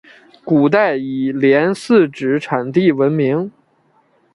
古代以连四纸产地闻名。